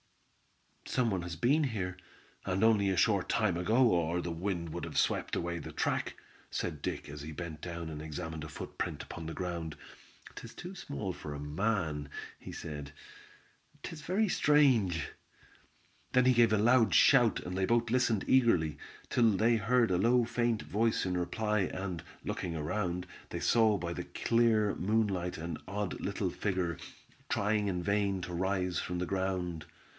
"Some one has been here, and only a short time ago, or the wind would have swept away the track," said Dick, as he bent down and examined a footprint upon the ground. "'Tis too small for a man," he said. "'Tis very strange." Then he gave a loud shout, and they both listened eagerly, till they heard a low faint voice in reply, and, looking around, they saw by the clear moonlight an odd little figure trying in vain to rise from the ground.